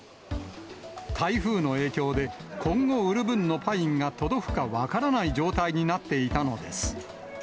台風の影響で、今後売る分のパインが届くか分からない状態になっていたのです。